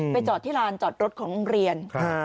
จอดที่ลานจอดรถของโรงเรียน